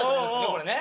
これね。